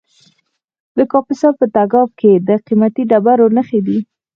د کاپیسا په تګاب کې د قیمتي ډبرو نښې دي.